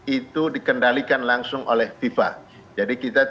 itu dikendalikan langsung oleh fifa